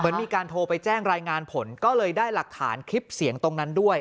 มีการโทรไปแจ้งรายงานผลก็เลยได้หลักฐานคลิปเสียงตรงนั้นด้วย